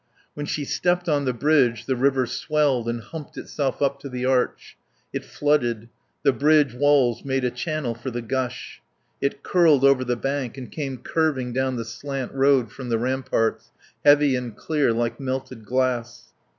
When she stepped on the bridge the river swelled and humped itself up to the arch. It flooded. The bridge walls made a channel for the gush. It curled over the bank and came curving down the slant road from the ramparts, heavy and clear, like melted glass.